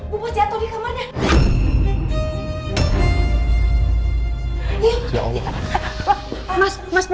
bu bos jatuh di kamarnya